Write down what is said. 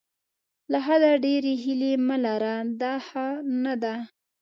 له حده ډېرې هیلې مه لره دا ښه نه ده.